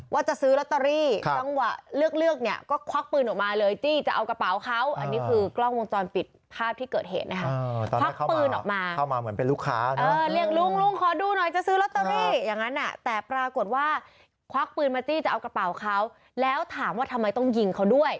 ว่าจะซื้อลอตเตอรี่จังหวะเลือกเลือกเนี่ยก็ควักปืนออกมาเลยจี้จะเอากระเป๋าเขาอันนี้คือกล้องวงจรปิดภาพที่เกิดเหตุนะคะควักปืนออกมาเข้ามาเหมือนเป็นลูกค้าเรียกลุงลุงขอดูหน่อยจะซื้อลอตเตอรี่อย่างนั้นแต่ปรากฏว่าควักปืนมาจี้จะเอากระเป๋าเขาแล้วถามว่าทำไมต้องยิงเขาด้วย